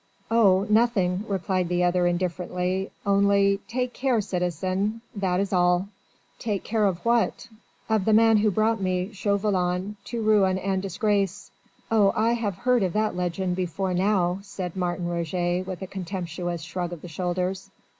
"Oh, nothing!" replied the other indifferently. "Only ... take care, citizen ... that is all." "Take care of what?" "Of the man who brought me, Chauvelin, to ruin and disgrace." "Oh! I have heard of that legend before now," said Martin Roget with a contemptuous shrug of the shoulders.